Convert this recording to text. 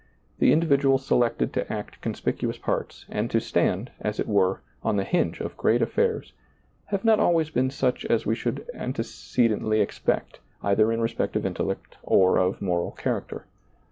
The individuals selected to act conspicuous parts, and to stand, as it were, on the hinge of great affairs, have not always been such as we should antecedently expect, either in respect of intellect or of moral character.